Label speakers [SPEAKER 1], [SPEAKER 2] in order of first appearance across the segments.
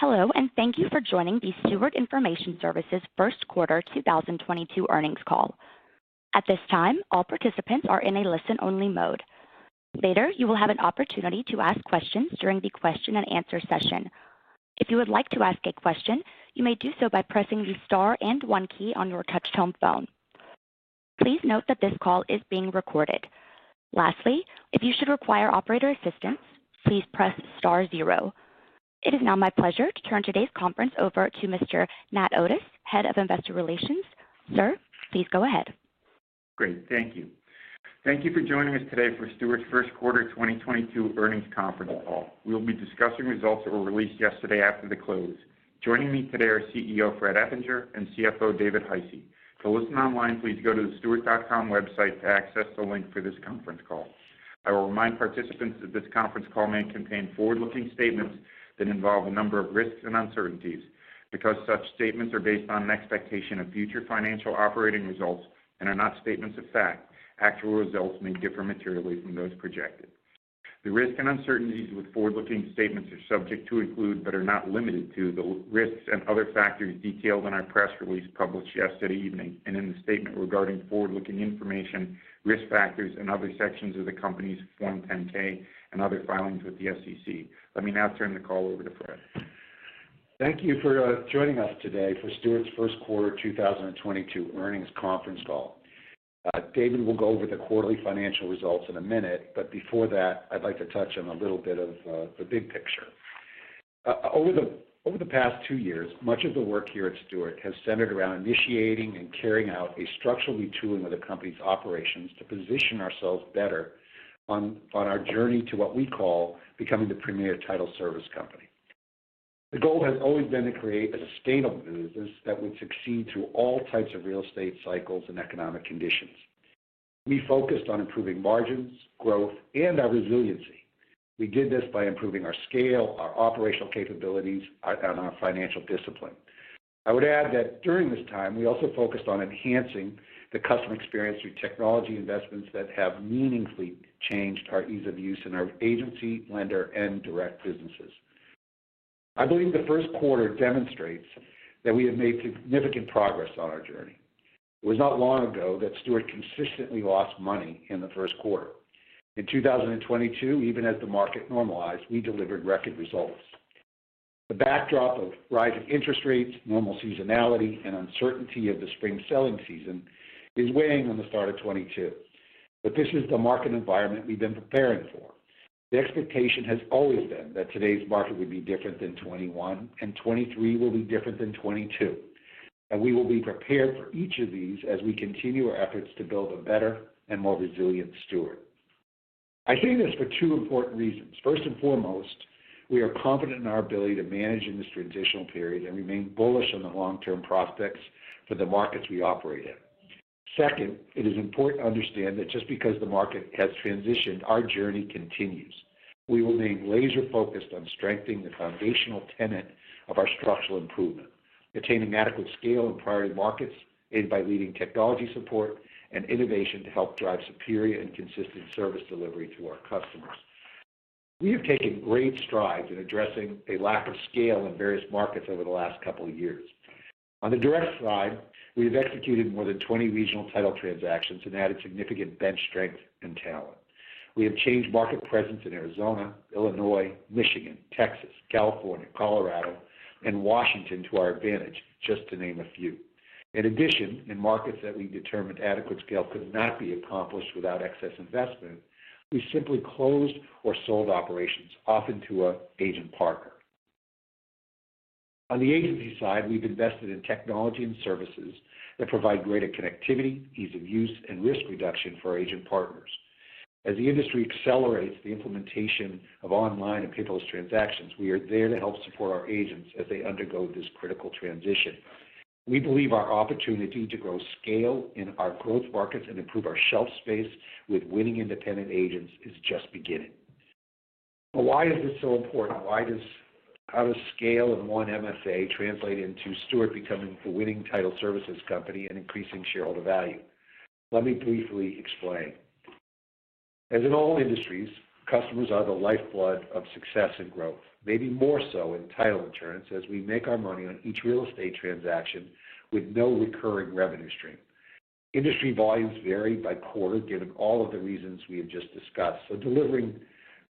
[SPEAKER 1] Hello, and thank you for joining the Stewart Information Services first quarter 2022 earnings call. At this time, all participants are in a listen-only mode. Later, you will have an opportunity to ask questions during the question and answer session. If you would like to ask a question, you may do so by pressing the star and one key on your touchtone phone. Please note that this call is being recorded. Lastly, if you should require operator assistance, please press star zero. It is now my pleasure to turn today's conference over to Mr.Nathaniel Otis, Head of Investor Relations. Sir, please go ahead.
[SPEAKER 2] Great. Thank you. Thank you for joining us today for Stewart's first quarter 2022 earnings conference call. We'll be discussing results that were released yesterday after the close. Joining me today are CEO Frederick Eppinger and CFO David Hisey. To listen online, please go to the stewart.com website to access the link for this conference call. I will remind participants that this conference call may contain forward-looking statements that involve a number of risks and uncertainties. Because such statements are based on an expectation of future financial operating results and are not statements of fact, actual results may differ materially from those projected. The risks and uncertainties with forward-looking statements include, but are not limited to, the risks and other factors detailed in our press release published yesterday evening and in the statement regarding forward-looking information, risk factors, and other sections of the company's Form 10-K and other filings with the SEC. Let me now turn the call over to Fred.
[SPEAKER 3] Thank you for joining us today for Stewart's first quarter 2022 earnings conference call. David will go over the quarterly financial results in a minute, but before that, I'd like to touch on a little bit of the big picture. Over the past two years, much of the work here at Stewart has centered around initiating and carrying out a structural retooling of the company's operations to position ourselves better on our journey to what we call becoming the premier title service company. The goal has always been to create a sustainable business that would succeed through all types of real estate cycles and economic conditions. We focused on improving margins, growth, and our resiliency. We did this by improving our scale, our operational capabilities, and our financial discipline. I would add that during this time, we also focused on enhancing the customer experience through technology investments that have meaningfully changed our ease of use in our agency, lender, and direct businesses. I believe the first quarter demonstrates that we have made significant progress on our journey. It was not long ago that Stewart consistently lost money in the first quarter. In 2022, even as the market normalized, we delivered record results. The backdrop of rising interest rates, normal seasonality, and uncertainty of the spring selling season is weighing on the start of 2022. But this is the market environment we've been preparing for. The expectation has always been that today's market would be different than 2021, and 2023 will be different than 2022. We will be prepared for each of these as we continue our efforts to build a better and more resilient Stewart. I say this for two important reasons. First and foremost, we are confident in our ability to manage in this transitional period and remain bullish on the long-term prospects for the markets we operate in. Second, it is important to understand that just because the market has transitioned, our journey continues. We will remain laser-focused on strengthening the foundational tenet of our structural improvement, attaining adequate scale in priority markets, aided by leading technology support and innovation to help drive superior and consistent service delivery to our customers. We have taken great strides in addressing a lack of scale in various markets over the last couple of years. On the direct side, we have executed more than 20 regional title transactions and added significant bench strength and talent. We have changed market presence in Arizona, Illinois, Michigan, Texas, California, Colorado, and Washington to our advantage, just to name a few. In addition, in markets that we determined adequate scale could not be accomplished without excess investment, we simply closed or sold operations, often to an agent partner. On the agency side, we've invested in technology and services that provide greater connectivity, ease of use, and risk reduction for our agent partners. As the industry accelerates the implementation of online and paperless transactions, we are there to help support our agents as they undergo this critical transition. We believe our opportunity to grow scale in our growth markets and improve our shelf space with winning independent agents is just beginning. Why is this so important? How does scale in one MSA translate into Stewart becoming the winning title services company and increasing shareholder value? Let me briefly explain. As in all industries, customers are the lifeblood of success and growth, maybe more so in title insurance as we make our money on each real estate transaction with no recurring revenue stream. Industry volumes vary by quarter given all of the reasons we have just discussed. Delivering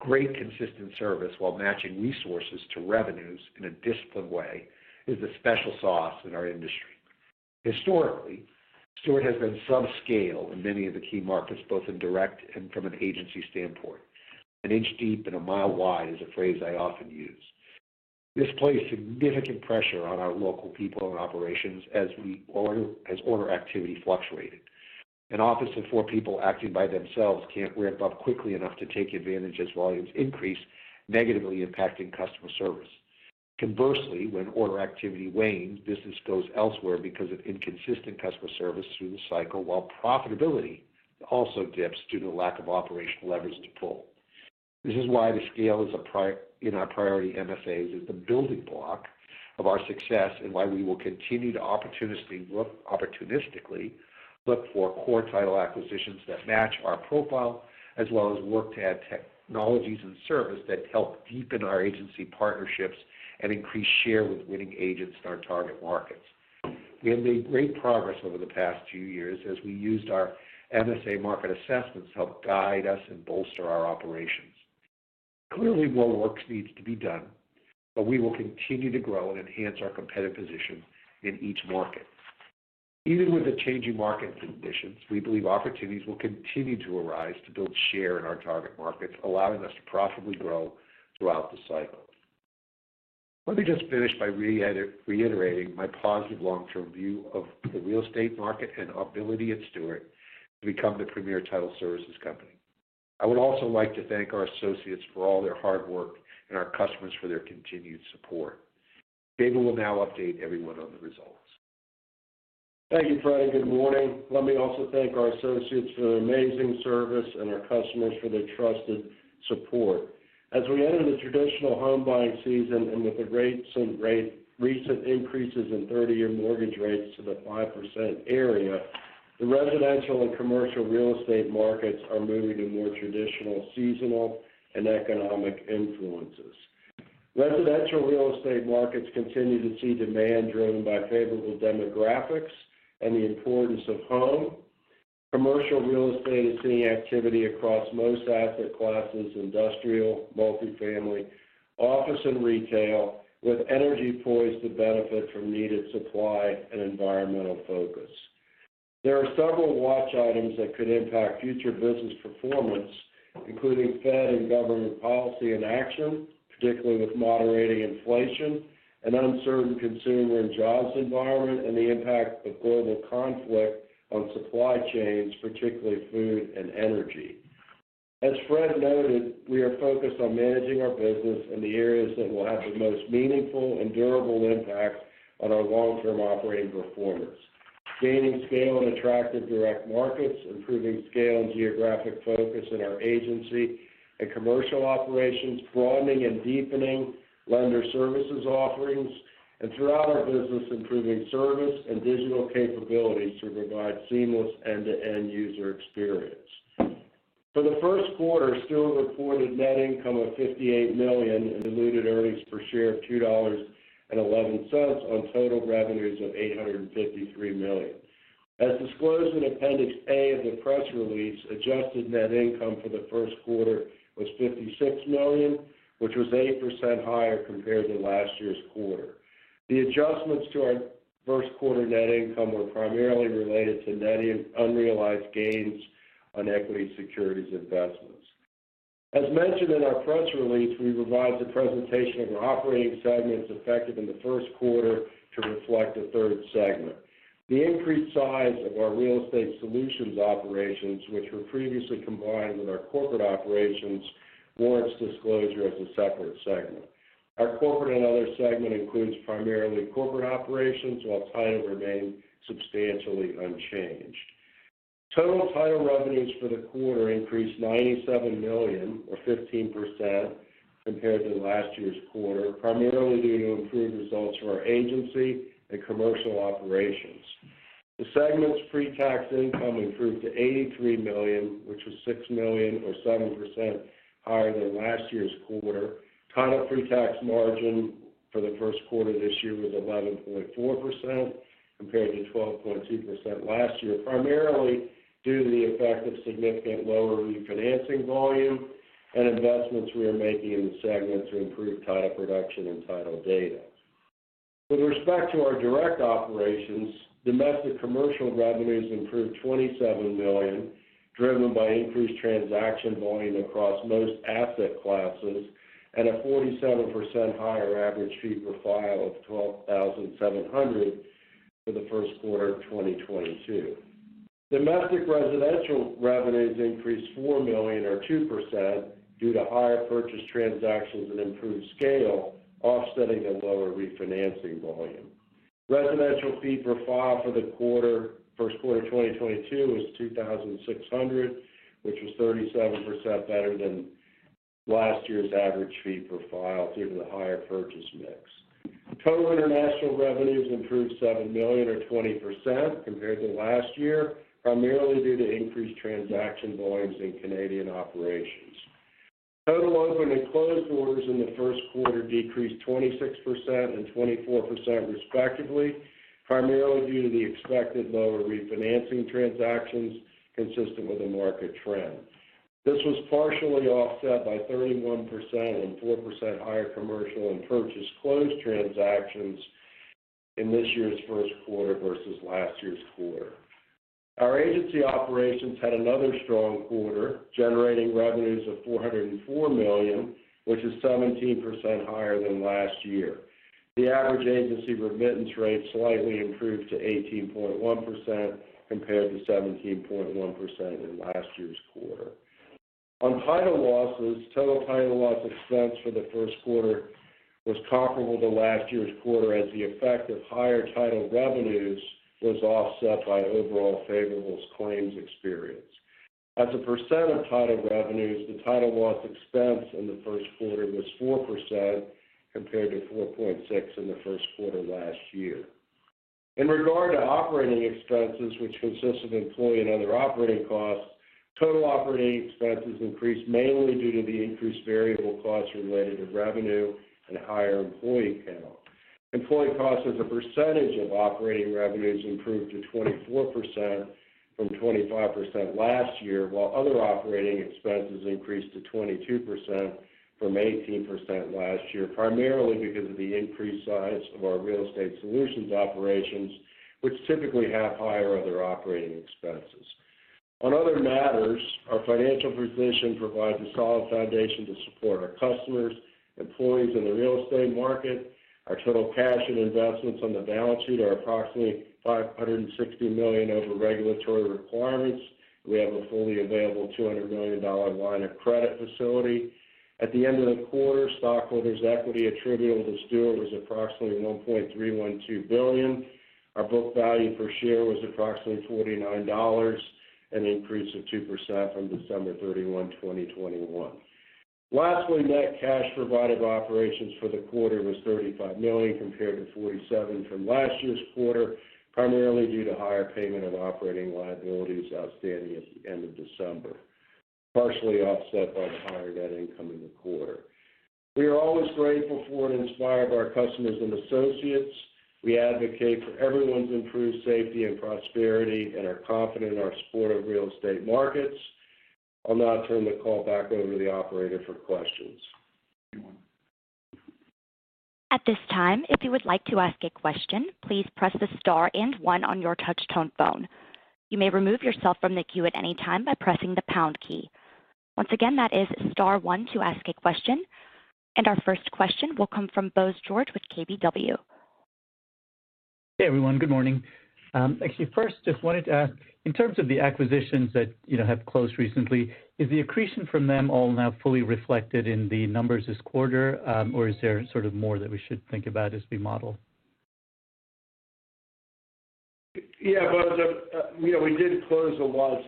[SPEAKER 3] great consistent service while matching resources to revenues in a disciplined way is the special sauce in our industry. Historically, Stewart has been subscale in many of the key markets, both in direct and from an agency standpoint. An inch deep and a mile wide is a phrase I often use. This placed significant pressure on our local people and operations as order activity fluctuated. An office of four people acting by themselves can't ramp up quickly enough to take advantage as volumes increase, negatively impacting customer service. Conversely, when order activity wanes, business goes elsewhere because of inconsistent customer service through the cycle, while profitability also dips due to lack of operational leverage to pull. This is why the scale is a priority in our priority MSAs is the building block of our success and why we will continue to opportunistically look for core title acquisitions that match our profile, as well as work to add technologies and service that help deepen our agency partnerships and increase share with winning agents in our target markets. We have made great progress over the past two years as we used our MSA market assessments to help guide us and bolster our operations. Clearly, more work needs to be done, but we will continue to grow and enhance our competitive position in each market. Even with the changing market conditions, we believe opportunities will continue to arise to build share in our target markets, allowing us to profitably grow throughout the cycle. Let me just finish by reiterating my positive long-term view of the real estate market and our ability at Stewart to become the premier title services company. I would also like to thank our associates for all their hard work and our customers for their continued support. David will now update everyone on the results.
[SPEAKER 4] Thank you, Frederick. Good morning. Let me also thank our associates for their amazing service and our customers for their trusted support. As we enter the traditional home buying season and with the rates and recent increases in 30-year mortgage rates to the 5% area, the residential and commercial real estate markets are moving to more traditional seasonal and economic influences. Residential real estate markets continue to see demand driven by favorable demographics and the importance of home. Commercial real estate is seeing activity across most asset classes, industrial, multifamily, office and retail, with energy poised to benefit from needed supply and environmental focus. There are several watch items that could impact future business performance, including Fed and government policy in action, particularly with moderating inflation, an uncertain consumer and jobs environment, and the impact of global conflict on supply chains, particularly food and energy. As Frederick noted, we are focused on managing our business in the areas that will have the most meaningful and durable impact on our long-term operating performance. Gaining scale in attractive direct markets, improving scale and geographic focus in our agency and commercial operations, broadening and deepening lender services offerings, and throughout our business, improving service and digital capabilities to provide seamless end-to-end user experience. For the first quarter, Stewart reported net income of $58 million and diluted earnings per share of $2.11 on total revenues of $853 million. As disclosed in Appendix A of the press release, adjusted net income for the first quarter was $56 million, which was 8% higher compared to last year's quarter. The adjustments to our first quarter net income were primarily related to netting unrealized gains on equity securities investments. As mentioned in our press release, we revised the presentation of our operating segments effective in the first quarter to reflect a third segment. The increased size of our real estate solutions operations, which were previously combined with our corporate operations, warrants disclosure as a separate segment. Our corporate and other segment includes primarily corporate operations, while title remained substantially unchanged. Total title revenues for the quarter increased $97 million or 15% compared to last year's quarter, primarily due to improved results from our agency and commercial operations. The segment's pre-tax income improved to $83 million, which was $6 million or 7% higher than last year's quarter. Title pre-tax margin for the first quarter this year was 11.4% compared to 12.2% last year, primarily due to the effect of significantly lower refinancing volume and investments we are making in the segment to improve title production and title data. With respect to our direct operations, domestic commercial revenues improved $27 million, driven by increased transaction volume across most asset classes and a 47% higher average fee per file of $12,700 for the first quarter of 2022. Domestic residential revenues increased $4 million or 2% due to higher purchase transactions and improved scale, offsetting a lower refinancing volume. Residential fee per file for the quarter, first quarter of 2022 was $2,600, which was 37% better than last year's average fee per file due to the higher purchase mix. Total international revenues improved 7 million or 20% compared to last year, primarily due to increased transaction volumes in Canadian operations. Total open and closed orders in the first quarter decreased 26% and 24% respectively, primarily due to the expected lower refinancing transactions consistent with the market trend. This was partially offset by 31% and 4% higher commercial and purchase closed transactions in this year's first quarter versus last year's quarter. Our agency operations had another strong quarter, generating revenues of $404 million, which is 17% higher than last year. The average agency remittance rate slightly improved to 18.1% compared to 17.1% in last year's quarter. On title losses, total title loss expense for the first quarter was comparable to last year's quarter as the effect of higher title revenues was offset by overall favorable claims experience. As a percent of title revenues, the title loss expense in the first quarter was 4% compared to 4.6% in the first quarter last year. In regard to operating expenses, which consists of employee and other operating costs, total operating expenses increased mainly due to the increased variable costs related to revenue and higher employee count. Employee costs as a percentage of operating revenues improved to 24% from 25% last year, while other operating expenses increased to 22% from 18% last year, primarily because of the increased size of our real estate solutions operations, which typically have higher other operating expenses. On other matters, our financial position provides a solid foundation to support our customers, employees in the real estate market. Our total cash and investments on the balance sheet are approximately $560 million over regulatory requirements. We have a fully available $200 million line of credit facility. At the end of the quarter, stockholders' equity attributable to Stewart was approximately $1.312 billion. Our book value per share was approximately $49, an increase of 2% from December 31, 2021. Lastly, net cash provided by operations for the quarter was $35 million compared to $47 million from last year's quarter, primarily due to higher payment of operating liabilities outstanding at the end of December, partially offset by higher net income in the quarter. We are always grateful for and inspired by our customers and associates. We advocate for everyone's improved safety and prosperity and are confident in our supportive real estate markets. I'll now turn the call back over to the operator for questions.
[SPEAKER 1] At this time, if you would like to ask a question, please press the star and one on your touch-tone phone. You may remove yourself from the queue at any time by pressing the pound key. Once again, that is star one to ask a question. Our first question will come from Bose George with KBW.
[SPEAKER 5] Hey, everyone. Good morning. Actually, first, just wanted to ask, in terms of the acquisitions that, you know, have closed recently, is the accretion from them all now fully reflected in the numbers this quarter, or is there sort of more that we should think about as we model?
[SPEAKER 4] Yeah, Bose, you know, we did close a lot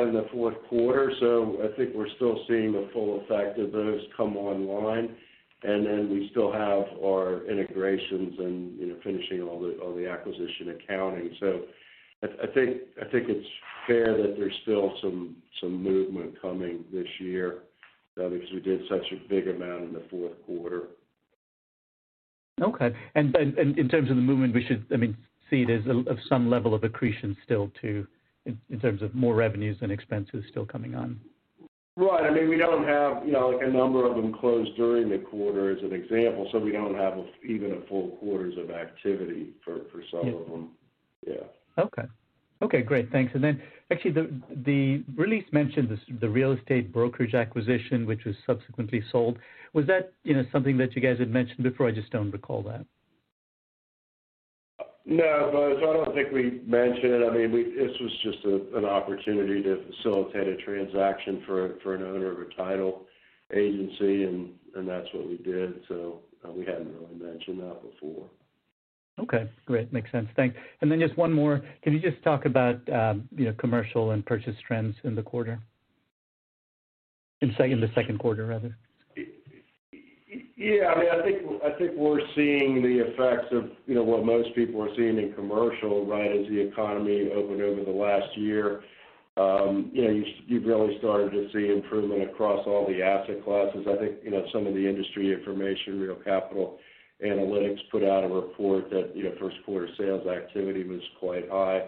[SPEAKER 4] in the fourth quarter, so I think we're still seeing the full effect of those come online. We still have our integrations and, you know, finishing all the acquisition accounting. I think it's fair that there's still some movement coming this year, because we did such a big amount in the fourth quarter.
[SPEAKER 5] Okay. In terms of the movement, we should, I mean, see it as some level of accretion still to come in terms of more revenues and expenses still coming on.
[SPEAKER 4] Right. I mean, we don't have, you know, a number of them closed during the quarter as an example, so we don't have even a full quarter's of activity for some of them.
[SPEAKER 5] Yeah.
[SPEAKER 4] Yeah.
[SPEAKER 5] Okay. Okay, great. Thanks. Then actually, the release mentioned this, the real estate brokerage acquisition, which was subsequently sold. Was that, you know, something that you guys had mentioned before? I just don't recall that.
[SPEAKER 4] No, Bose, I don't think we mentioned. I mean, this was just an opportunity to facilitate a transaction for an owner of a title agency, and that's what we did. We hadn't really mentioned that before.
[SPEAKER 5] Okay. Great. Makes sense. Thanks. Just one more. Can you just talk about, you know, commercial and purchase trends in the quarter? The second quarter, rather?
[SPEAKER 4] Yeah. I mean, I think we're seeing the effects of, you know, what most people are seeing in commercial, right, as the economy opened over the last year. You know, you've really started to see improvement across all the asset classes. I think, you know, some of the industry information, Real Capital Analytics put out a report that, you know, first quarter sales activity was quite high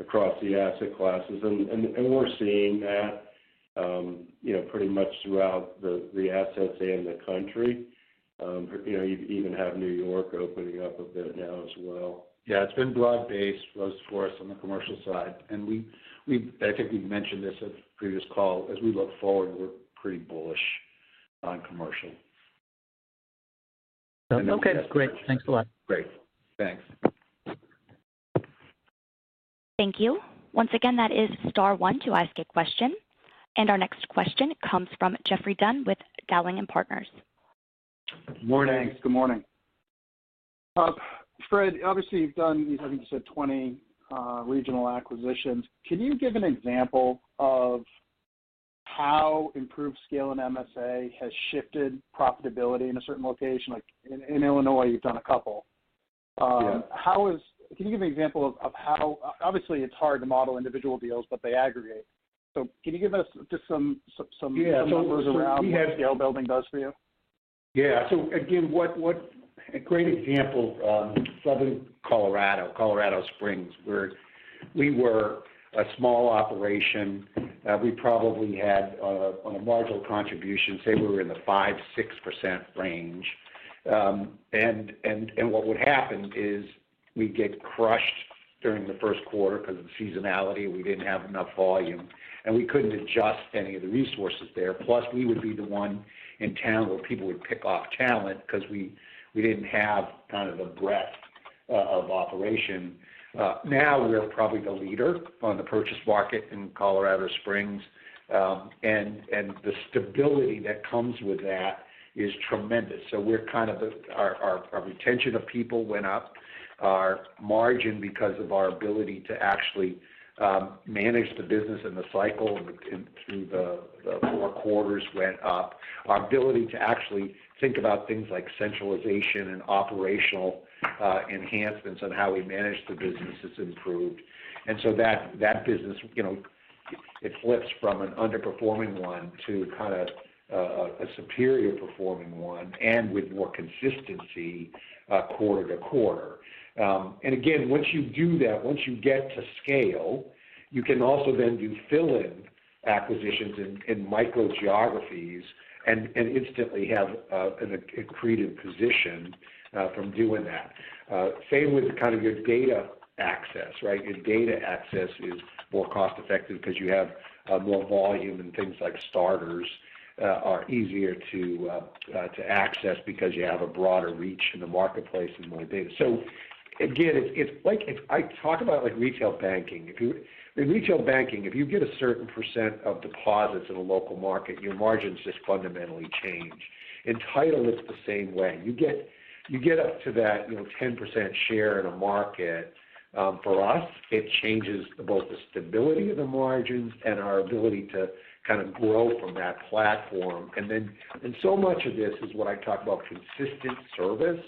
[SPEAKER 4] across the asset classes. We're seeing that, you know, pretty much throughout the assets and the country. You know, you even have New York opening up a bit now as well.
[SPEAKER 3] Yeah. It's been broad-based for us on the commercial side. I think we've mentioned this at the previous call. As we look forward, we're pretty bullish on commercial.
[SPEAKER 5] Okay. Great. Thanks a lot.
[SPEAKER 3] Great. Thanks.
[SPEAKER 1] Thank you. Once again, that is star one to ask a question. Our next question comes from Geoffrey Dunn with Dowling & Partners.
[SPEAKER 6] Morning.
[SPEAKER 3] Thanks. Good morning.
[SPEAKER 6] Fred, obviously, you've done, I think you said 20 regional acquisitions. Can you give an example of how improved scale in MSA has shifted profitability in a certain location? Like in Illinois, you've done a couple.
[SPEAKER 3] Yeah.
[SPEAKER 6] Can you give me an example of how obviously it's hard to model individual deals, but they aggregate. Can you give us just some
[SPEAKER 3] Yeah.
[SPEAKER 6] Some numbers around what scale building does for you?
[SPEAKER 3] Yeah. Again, what a great example, Southern Colorado Springs, where we were a small operation. We probably had, on a marginal contribution, say we were in the 5%-6% range. What would happen is we'd get crushed during the first quarter 'cause of seasonality. We didn't have enough volume, and we couldn't adjust any of the resources there. Plus, we would be the one in town where people would pick off talent because we didn't have kind of the breadth of operation. Now we're probably the leader on the purchase market in Colorado Springs. The stability that comes with that is tremendous. Our retention of people went up. Our margin, because of our ability to actually manage the business and the cycle and through the four quarters went up. Our ability to actually think about things like centralization and operational enhancements on how we manage the business has improved. That business, you know, it flips from an underperforming one to kind of a superior performing one and with more consistency quarter to quarter. Once you do that, once you get to scale, you can also then do fill-in acquisitions in micro geographies and instantly have an accretive position from doing that. Same with kind of your data access, right? Your data access is more cost effective because you have more volume and things like starters are easier to access because you have a broader reach in the marketplace and more data. It's like if I talk about, like, retail banking. In retail banking, if you get a certain percent of deposits in a local market, your margins just fundamentally change. In title, it's the same way. You get up to that, you know, 10% share in a market, for us, it changes both the stability of the margins and our ability to kind of grow from that platform. So much of this is what I talk about consistent service.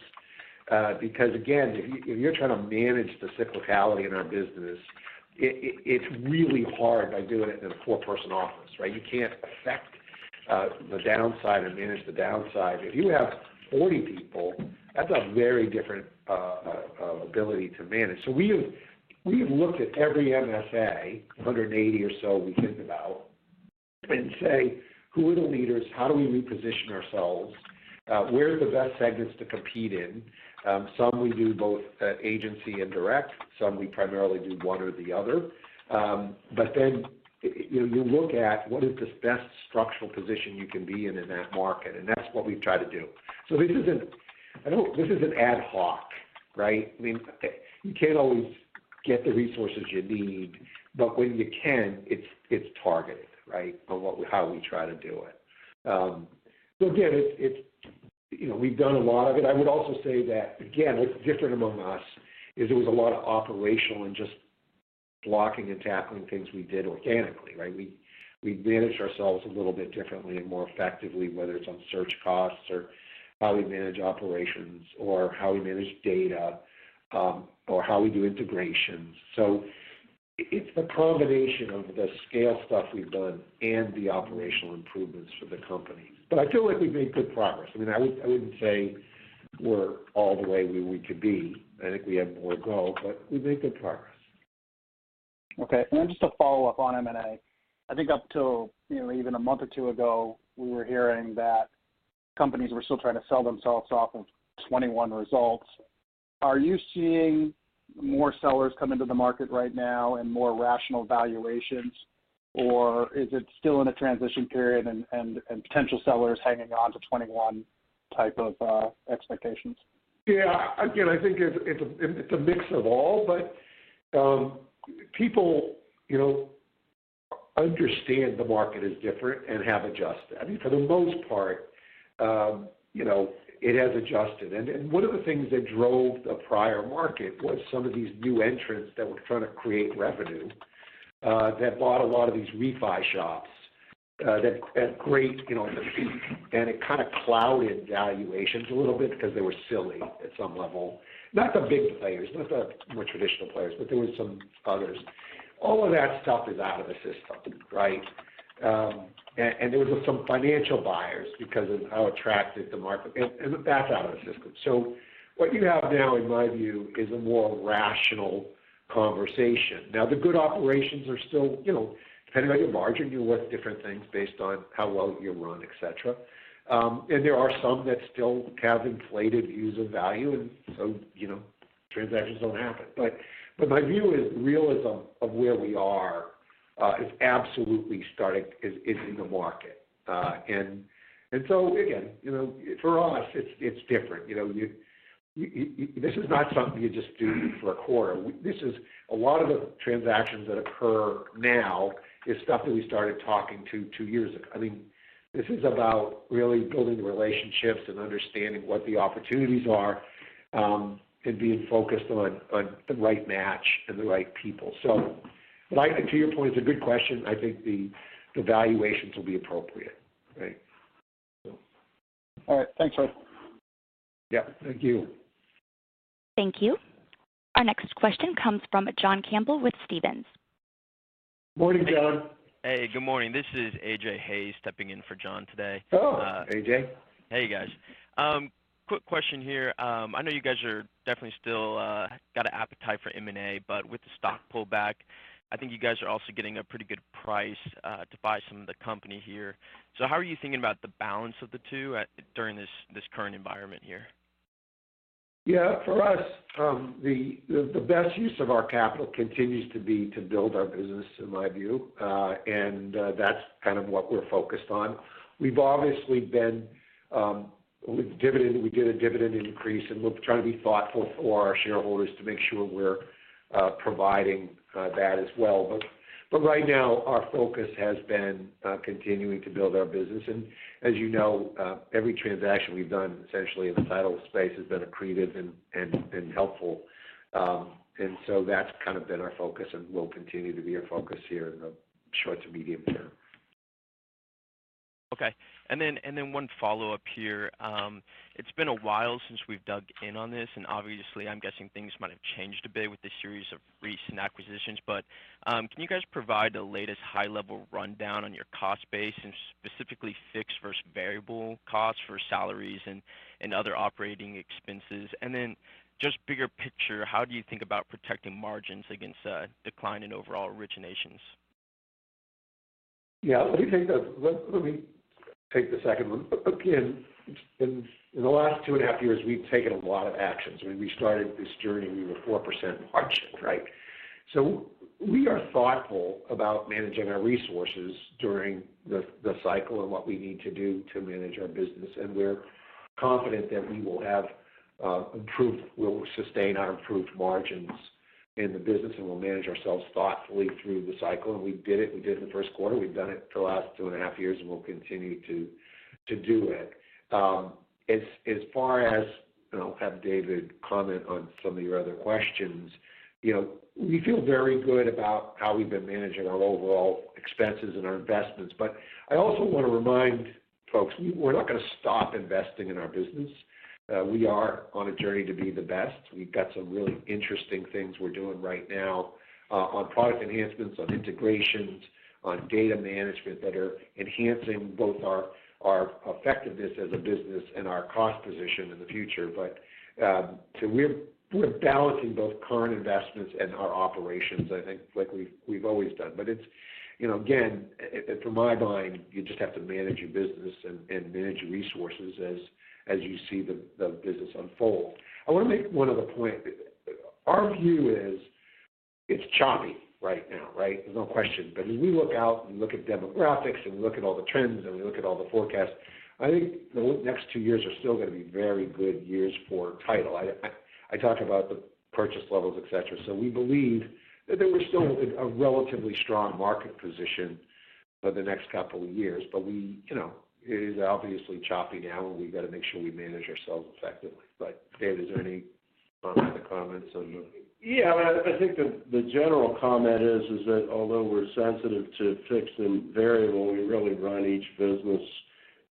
[SPEAKER 3] Because again, if you're trying to manage the cyclicality in our business, it's really hard by doing it in a four-person office, right? You can't affect the downside or manage the downside. If you have 40 people, that's a very different ability to manage. We have looked at every MSA, 180 or so we think about, and say, "Who are the leaders? How do we reposition ourselves? Where are the best segments to compete in?" Some we do both at agency and direct. Some we primarily do one or the other. You know, you look at what is the best structural position you can be in that market, and that's what we've tried to do. This isn't ad hoc, right? I mean, you can't always get the resources you need, but when you can, it's targeted, right? On how we try to do it. So again, it's, you know, we've done a lot of it. I would also say that, again, what's different among us is there was a lot of operational and just blocking and tackling things we did organically, right? We managed ourselves a little bit differently and more effectively, whether it's on search costs or how we manage operations or how we manage data, or how we do integrations. So it's the combination of the scale stuff we've done and the operational improvements for the company. I feel like we've made good progress. I mean, I wouldn't say we're all the way where we could be. I think we have more to go, but we've made good progress.
[SPEAKER 6] Okay. Just a follow-up on M&A. I think up till, you know, even a month or two ago, we were hearing that companies were still trying to sell themselves off of 2021 results. Are you seeing more sellers come into the market right now and more rational valuations? Or is it still in a transition period and potential sellers hanging on to 2021 type of expectations?
[SPEAKER 3] Yeah. Again, I think it's a mix of all. People, you know, understand the market is different and have adjusted. I mean, for the most part, you know, it has adjusted. One of the things that drove the prior market was some of these new entrants that were trying to create revenue, that bought a lot of these refi shops, that had great, you know, fees. It kind of clouded valuations a little bit because they were silly at some level. Not the big players, not the more traditional players, but there were some others. All of that stuff is out of the system, right? There was some financial buyers because of how attractive the market. That's out of the system. What you have now, in my view, is a more rational conversation. Now, the good operations are still, you know, depending on your margin, you're worth different things based on how well you run, et cetera. There are some that still have inflated views of value and so, you know, transactions don't happen. My view is realism of where we are is absolutely starting in the market. Again, you know, for us, it's different. You know, this is not something you just do for a quarter. This is a lot of the transactions that occur now is stuff that we started talking to two years ago. I mean, this is about really building the relationships and understanding what the opportunities are, and being focused on the right match and the right people. Like, to your point, it's a good question. I think the valuations will be appropriate, right? So.
[SPEAKER 6] All right. Thanks, Frederick.
[SPEAKER 3] Yeah. Thank you.
[SPEAKER 1] Thank you. Our next question comes from John Campbell with Stephens.
[SPEAKER 3] Morning, John.
[SPEAKER 7] Hey, good morning. This is A.J. Rice stepping in for John today.
[SPEAKER 3] Oh, A.J.
[SPEAKER 7] Hey, guys. Quick question here. I know you guys are definitely still got an appetite for M&A, but with the stock pullback, I think you guys are also getting a pretty good price to buy some of the company here. How are you thinking about the balance of the two in this current environment here?
[SPEAKER 3] Yeah. For us, the best use of our capital continues to be to build our business, in my view. That's kind of what we're focused on. We've obviously been with dividend. We did a dividend increase, and we're trying to be thoughtful for our shareholders to make sure we're providing that as well. Right now, our focus has been continuing to build our business. As you know, every transaction we've done essentially in the title space has been accretive and helpful. That's kind of been our focus and will continue to be our focus here in the short to medium term.
[SPEAKER 7] Okay. One follow-up here. It's been a while since we've dug in on this, and obviously, I'm guessing things might have changed a bit with the series of recent acquisitions, but can you guys provide the latest high-level rundown on your cost base and specifically fixed versus variable costs for salaries and other operating expenses? Just bigger picture, how do you think about protecting margins against decline in overall originations?
[SPEAKER 3] Yeah. Let me take the second one. Again, in the last two and a half years, we've taken a lot of actions. When we started this journey, we were 4% margin, right? So we are thoughtful about managing our resources during the cycle and what we need to do to manage our business. We're confident that we will have improved. We'll sustain our improved margins in the business, and we'll manage ourselves thoughtfully through the cycle. We did it. We did it in the first quarter. We've done it for the last two and a half years, and we'll continue to do it. As far as and I'll have David comment on some of your other questions. You know, we feel very good about how we've been managing our overall expenses and our investments. I also want to remind folks, we're not gonna stop investing in our business. We are on a journey to be the best. We've got some really interesting things we're doing right now, on product enhancements, on integrations, on data management that are enhancing both our effectiveness as a business and our cost position in the future. We're balancing both current investments and our operations, I think, like we've always done. It's, you know, again, in my mind, you just have to manage your business and manage your resources as you see the business unfold. I want to make one other point. Our view is it's choppy right now, right? There's no question. As we look out and look at demographics, and we look at all the trends, and we look at all the forecasts, I think the next two years are still gonna be very good years for Title. I talked about the purchase levels, et cetera. We believe that there was still a relatively strong market position for the next couple of years. We, you know, it is obviously choppy now, and we've got to make sure we manage ourselves effectively. David, is there any other comments on the-
[SPEAKER 4] Yeah. I think the general comment is that although we're sensitive to fixed and variable, we really run each business,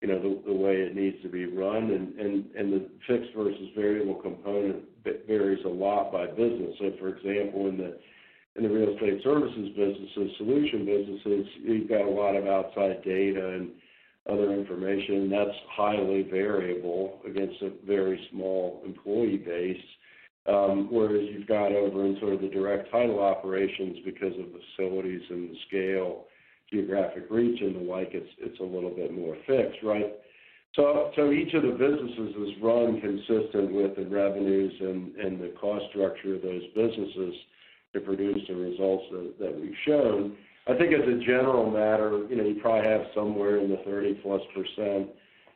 [SPEAKER 4] you know, the way it needs to be run. The fixed versus variable component varies a lot by business. For example, in the real estate services businesses, solution businesses, we've got a lot of outside data and other information that's highly variable against a very small employee base. Whereas you've got over in sort of the direct title operations because of facilities and the scale, geographic reach and the like, it's a little bit more fixed, right? Each of the businesses is run consistent with the revenues and the cost structure of those businesses to produce the results that we've shown. I think as a general matter, you know, you probably have somewhere in the 30+%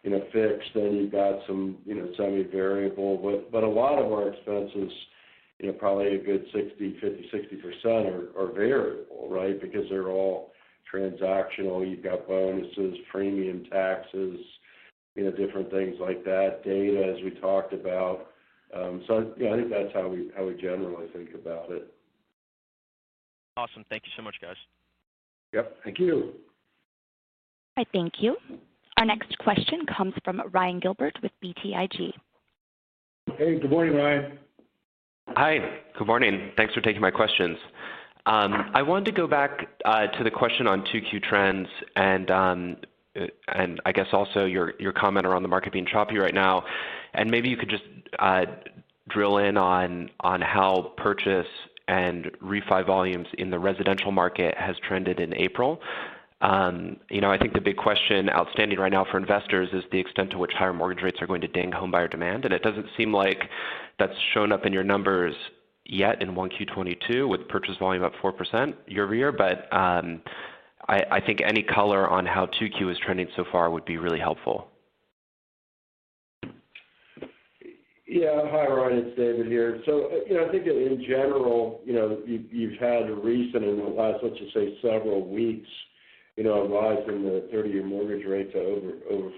[SPEAKER 4] in a fixed, then you've got some, you know, semi-variable. But a lot of our expenses, you know, probably a good 60, 50, 60% are variable, right? Because they're all transactional. You've got bonuses, premium taxes, you know, different things like that, data, as we talked about. So yeah, I think that's how we generally think about it.
[SPEAKER 7] Awesome. Thank you so much, guys.
[SPEAKER 3] Yep. Thank you.
[SPEAKER 1] Thank you. Our next question comes from Ryan Gilbert with BTIG.
[SPEAKER 3] Hey, good morning, Ryan.
[SPEAKER 8] Hi. Good morning. Thanks for taking my questions. I wanted to go back to the question on 2Q trends and I guess also your comment around the market being choppy right now, and maybe you could just drill in on how purchase and refi volumes in the residential market has trended in April. You know, I think the big question outstanding right now for investors is the extent to which higher mortgage rates are going to ding homebuyer demand, and it doesn't seem like that's shown up in your numbers yet in 1Q 2022, with purchase volume up 4% year-over-year. I think any color on how 2Q is trending so far would be really helpful.
[SPEAKER 4] Yeah. Hi, Ryan. It's David here. You know, I think in general, you know, you've had a recently in the last, let's just say several weeks, you know, a rise in the 30-year mortgage rate to over 5%.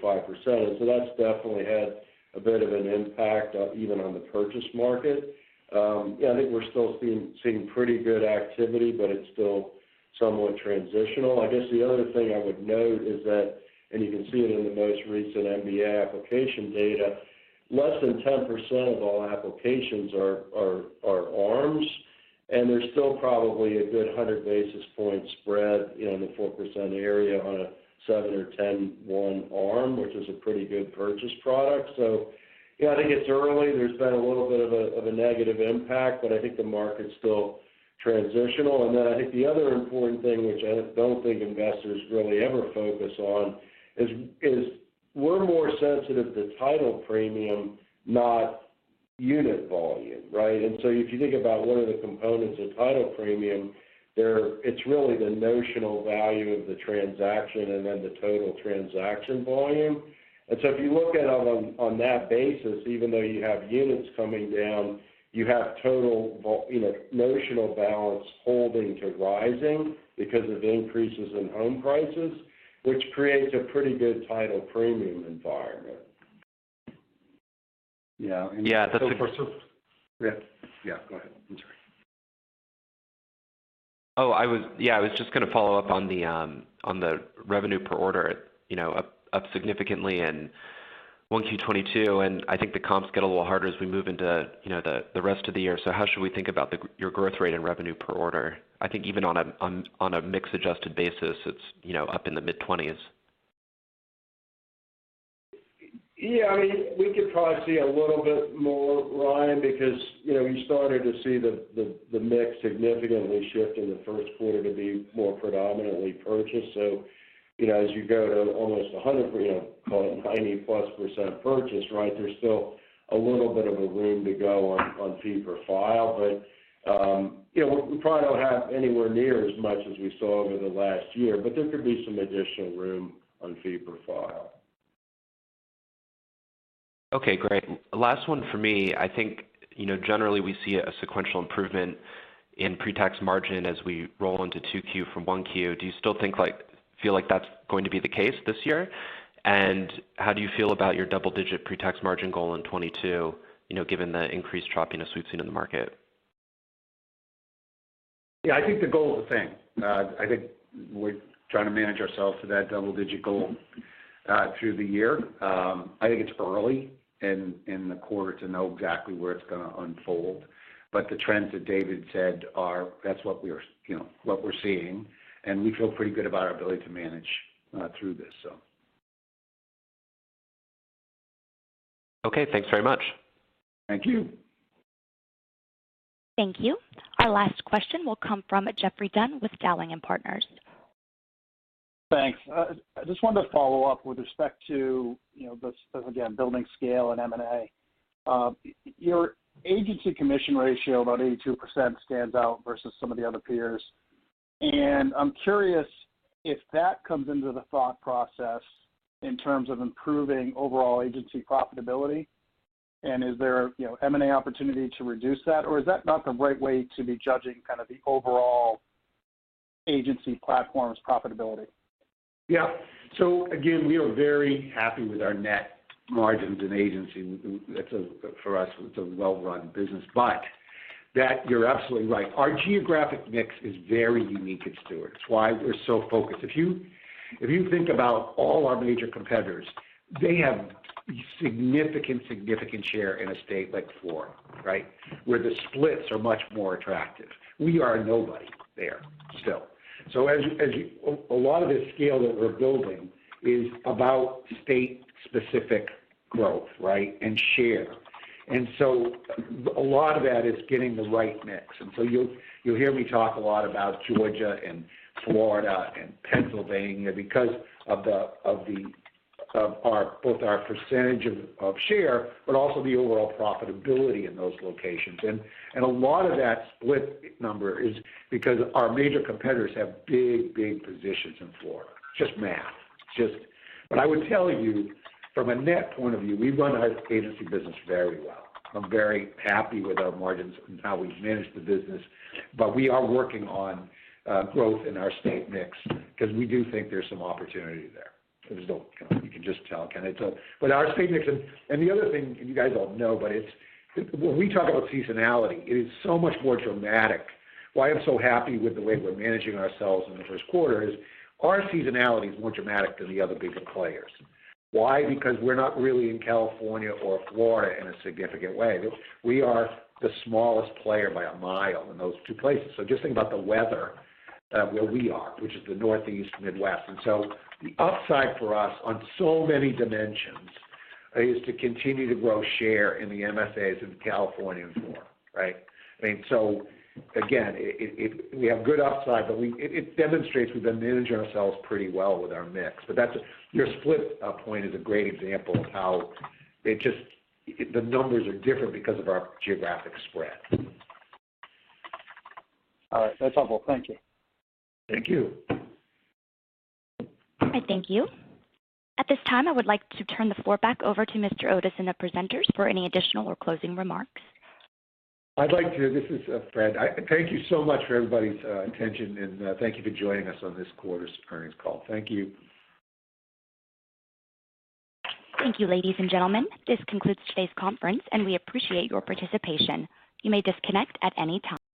[SPEAKER 4] That's definitely had a bit of an impact, even on the purchase market. Yeah, I think we're still seeing pretty good activity, but it's still somewhat transitional. I guess the other thing I would note is that, and you can see it in the most recent MBA application data, less than 10% of all applications are ARMs, and there's still probably a good 100 basis points spread in the 4% area on a 7- or 10/1 ARM, which is a pretty good purchase product. Yeah, I think it's early. There's been a little bit of a negative impact, but I think the market's still transitional. Then I think the other important thing, which I don't think investors really ever focus on, is we're more sensitive to title premium, not unit volume, right? So if you think about what are the components of title premium, it's really the notional value of the transaction and then the total transaction volume. So if you look at on that basis, even though you have units coming down, you have total volume, you know, notional value holding or rising because of increases in home prices, which creates a pretty good title premium environment.
[SPEAKER 3] Yeah.
[SPEAKER 8] Yeah, that's.
[SPEAKER 3] Yeah. Yeah, go ahead. I'm sorry.
[SPEAKER 8] Yeah, I was just gonna follow up on the revenue per order, you know, up significantly in 1Q2022, and I think the comps get a little harder as we move into, you know, the rest of the year. How should we think about your growth rate and revenue per order? I think even on a mix-adjusted basis, it's, you know, up in the mid-20s%.
[SPEAKER 4] Yeah. I mean, we could probably see a little bit more, Ryan, because, you know, we started to see the mix significantly shift in the first quarter to be more predominantly purchased. You know, as you go to almost 100, you know, call it 90%+ purchase, right, there's still a little bit of a room to go on fee per file. You know, we probably don't have anywhere near as much as we saw over the last year, but there could be some additional room on fee per file.
[SPEAKER 8] Okay, great. Last one for me. I think, you know, generally we see a sequential improvement in pre-tax margin as we roll into 2Q from 1Q. Do you still feel like that's going to be the case this year? How do you feel about your double-digit pre-tax margin goal in 2022, you know, given the increased drop-off we've seen in the market?
[SPEAKER 3] Yeah. I think the goal is the same. I think we're trying to manage ourselves to that double-digit goal through the year. I think it's early in the quarter to know exactly where it's gonna unfold, but the trends that David said, that's what we are, you know, what we're seeing, and we feel pretty good about our ability to manage through this, so.
[SPEAKER 8] Okay, thanks very much.
[SPEAKER 3] Thank you.
[SPEAKER 1] Thank you. Our last question will come from Geoffrey Dunn with Dowling & Partners.
[SPEAKER 6] Thanks. I just wanted to follow up with respect to, you know, the, again, building scale and M&A. Your agency commission ratio, about 82% stands out versus some of the other peers. I'm curious if that comes into the thought process in terms of improving overall agency profitability. Is there, you know, M&A opportunity to reduce that, or is that not the right way to be judging kind of the overall agency platform's profitability?
[SPEAKER 3] Yeah. Again, we are very happy with our net margins in agency. For us, it's a well-run business, but you're absolutely right. Our geographic mix is very unique at Stewart. It's why we're so focused. If you think about all our major competitors, they have significant share in a state like Florida, right? Where the splits are much more attractive. We are nobody there still. A lot of the scale that we're building is about state-specific growth, right? And share. A lot of that is getting the right mix. You'll hear me talk a lot about Georgia and Florida and Pennsylvania because of our percentage of share, but also the overall profitability in those locations. A lot of that split number is because our major competitors have big positions in Florida, just math. I would tell you from a net point of view, we run our agency business very well. I'm very happy with our margins and how we've managed the business, but we are working on growth in our state mix because we do think there's some opportunity there. There's no you know, you can just tell, can you tell? Our state mix and the other thing, and you guys all know, but it's when we talk about seasonality, it is so much more dramatic. Why I'm so happy with the way we're managing ourselves in the first quarter is our seasonality is more dramatic than the other bigger players. Why? Because we're not really in California or Florida in a significant way. We are the smallest player by a mile in those two places. Just think about the weather, where we are, which is the Northeast and Midwest. The upside for us on so many dimensions is to continue to grow share in the MSAs in California and Florida, right? I mean, so again, it. We have good upside. It demonstrates we've been managing ourselves pretty well with our mix. Your split point is a great example of how it just. The numbers are different because of our geographic spread.
[SPEAKER 6] All right. That's all folks. Thank you.
[SPEAKER 3] Thank you.
[SPEAKER 1] All right. Thank you. At this time, I would like to turn the floor back over to Mr. Otis and the presenters for any additional or closing remarks.
[SPEAKER 3] This is Fred. Thank you so much for everybody's attention, and thank you for joining us on this quarter's earnings call. Thank you.
[SPEAKER 1] Thank you, ladies and gentlemen. This concludes today's conference, and we appreciate your participation. You may disconnect at any time.